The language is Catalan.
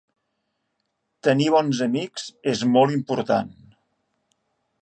Tenir bons amics és molt important.